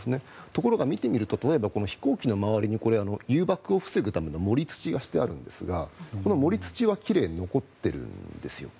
ところが見てみると、例えばこの飛行機の周りに誘爆を防ぐための盛り土がしてあるんですが盛り土は奇麗に残っているんですよ。